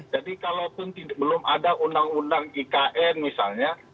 jadi kalau belum ada undang undang ikn misalnya